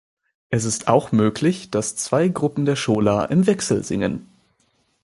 Es ist auch möglich, dass zwei Gruppen der Schola im Wechsel singen.